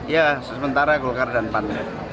ya sementara golkar dan pan